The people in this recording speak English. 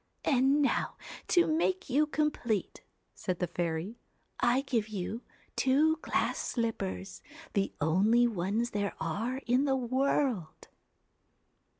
'And now to make you complete,' said the fairy, 1 1 give you two glass slippers, the only ones there are in the world.'